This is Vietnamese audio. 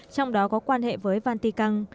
trong đó có quan hệ với văn tị căng